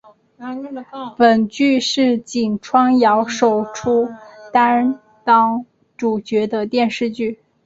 本剧是井川遥首出担当主角的电视剧。